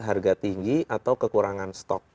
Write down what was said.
harga tinggi atau kekurangan stok